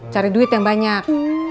cari duit yang banyak